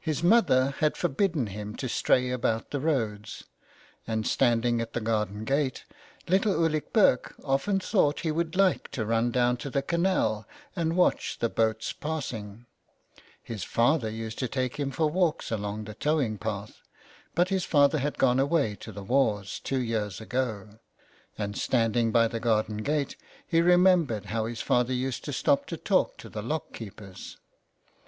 His mother had forbidden him to stray about the roads, and standing at the garden gate, little Ulick Burke often thought he would like to run down to the canal and watch the boats passing. His father used to take him for walks along the tow ing path, but his father had gone away to the wars two years ago, and standing by the garden gate he remembered how his father used to stop to talk to the lock keepers.